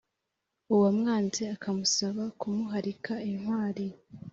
uwamwanze akamusaba kumuharika intwari